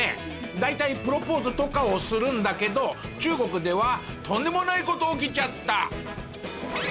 大体プロポーズとかをするんだけど中国ではとんでもない事起きちゃった！